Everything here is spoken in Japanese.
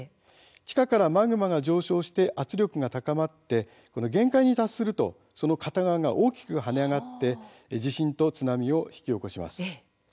地下からマグマが上昇して圧力が高まって限界に達するとその片側が大きく跳ね上がって地震と津波を引き起こします。